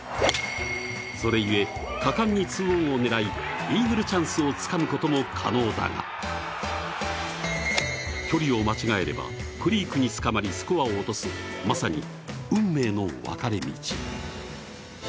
それ故、果敢に２オンを狙いイーグルチャンスをつかむことも可能だが距離を間違えればクリークにつかまりスコアを落とすまさに運命の分かれ道。